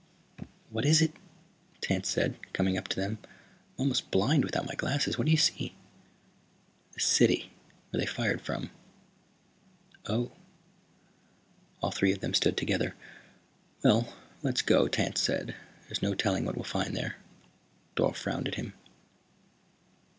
"What is it?" Tance said, coming up to them. "I'm almost blind without my glasses. What do you see?" "The city. Where they fired from." "Oh." All three of them stood together. "Well, let's go," Tance said. "There's no telling what we'll find there." Dorle frowned at him.